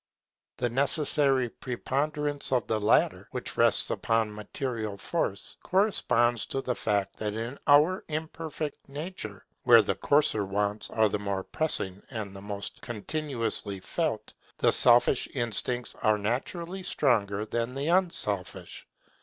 The necessary preponderance of the latter, which rests upon material force, corresponds to the fact that in our imperfect nature, where the coarser wants are the most pressing and the most continuously felt, the selfish instincts are naturally stronger than the unselfish.